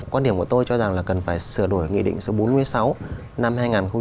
quan điểm của tôi cho rằng là cần phải sửa đổi nghị định số bốn mươi sáu năm hai nghìn một mươi ba